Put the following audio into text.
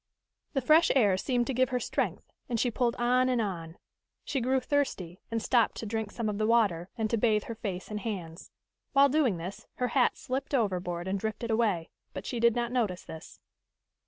The fresh air seemed to give her strength, and she pulled on and on. She grew thirsty and stopped to drink some of the water and to bathe her face and hands. While doing this, her hat slipped overboard and drifted away, but she did not notice this.